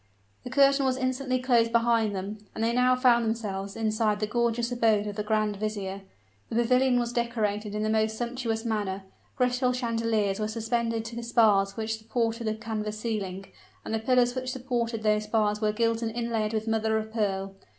The curtain was instantly closed behind them; and they now found themselves inside the gorgeous abode of the grand vizier. The pavilion was decorated in the most sumptuous manner. Crystal chandeliers were suspended to the spars which supported the canvas ceiling; and the pillars which supported those spars were gilt and inlaid with mother of pearl.